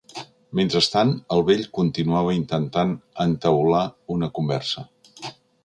Mentrestant, el vell continuava intentant entaular una conversa.